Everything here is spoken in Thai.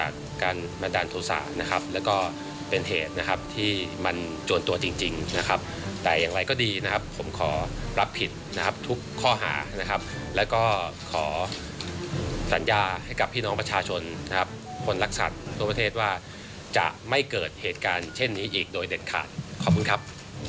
ขอบคุณครับ